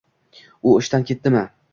U ishdan ketdimi